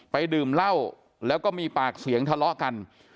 ดื่มเหล้าแล้วก็มีปากเสียงทะเลาะกัน